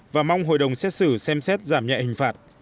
và mong hội đồng xét xử xem xét giảm nhẹ hình phạt